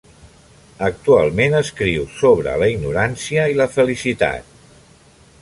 Actualment escriu sobre la ignorància i la felicitat.